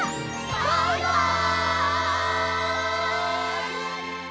バイバイ！